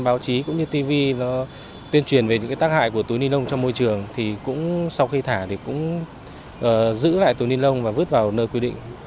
báo chí cũng như tv nó tuyên truyền về những cái tác hại của túi ni lông trong môi trường thì cũng sau khi thả thì cũng giữ lại túi ni lông và vứt vào nơi quy định